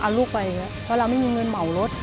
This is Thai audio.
เอาลูกไปเพราะเราไม่มีเงินหม่อรถ